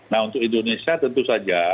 nah untuk indonesia tentu saja